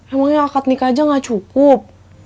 emangnya akad nikah aja gak cukup